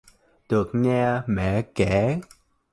Được nghe mẹ kể